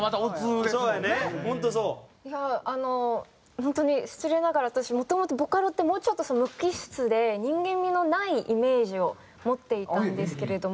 本当に失礼ながら私もともとボカロってもうちょっと無機質で人間味のないイメージを持っていたんですけれども。